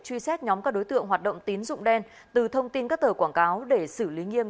truy xét nhóm các đối tượng hoạt động tín dụng đen từ thông tin các tờ quảng cáo để xử lý nghiêm